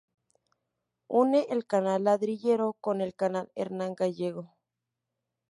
Une el canal Ladrillero con el canal Hernán Gallego.